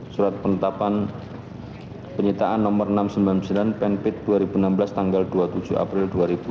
surat penetapan penyitaan nomor enam ratus sembilan puluh sembilan penpit dua ribu enam belas tanggal dua puluh tujuh april dua ribu dua puluh